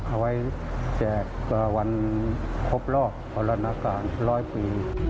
เอาไว้แจกวันครบรอบบรรณากาศ๑๐๐ปี